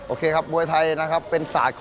oke muay thai adalah saat untuk bergerak